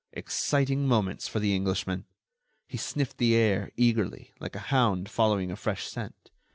Exciting moments for the Englishman! He sniffed the air, eagerly, like a hound following a fresh scent.